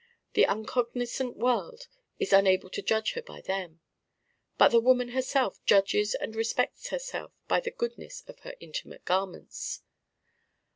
The uncognizant world is unable to judge her by them. But the woman herself judges and respects herself by the goodness of her intimate garments.